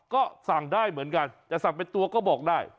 ก็สั่งได้เหมือนกันจะสั่งเป็นตัวก็บอกได้